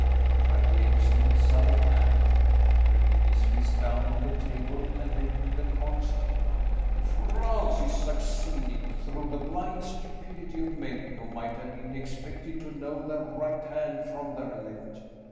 cried James in sudden anger, bringing his fist down on the table and making the coins jingle, "France is succeeding, through the blind stupidity of men who might have been expected to know their right hand from their left.